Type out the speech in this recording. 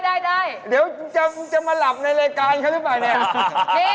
ได้เดี๋ยวจะมาหลับในรายการเขาหรือเปล่าเนี่ย